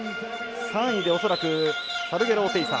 ３位で恐らくサルゲロオテイサ。